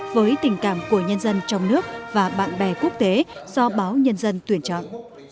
với tình cảm của nhân dân trong nước và bạn bè quốc tế do báo nhân dân tuyển chọn